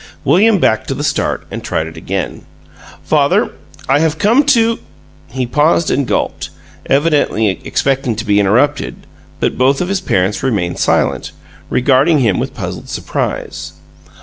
William backed to the start and tried it again. "Father, I have come to " He paused and gulped, evidently expecting to be interrupted, but both of his parents remained silent, regarding him with puzzled surprise.